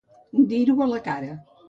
Dir-ho la cara.